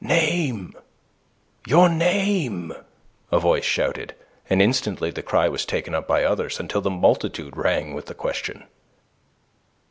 "Name! Your name!" a voice shouted, and instantly the cry was taken up by others, until the multitude rang with the question.